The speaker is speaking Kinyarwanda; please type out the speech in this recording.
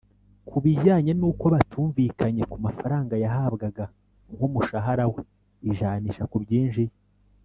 Ku bijyanye n’uko batumvikanye ku mafaranga yahabwaga nk’umushahara we ( ijanisha ku byinjiye)